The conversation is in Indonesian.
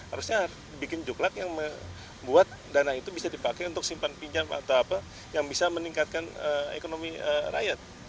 harusnya bikin juklak yang membuat dana itu bisa dipakai untuk simpan pinjam atau apa yang bisa meningkatkan ekonomi rakyat